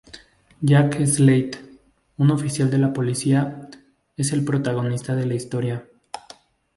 Jack Slate, un oficial de policía, es el protagonista de la historia.